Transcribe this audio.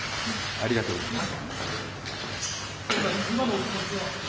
ありがとうございます。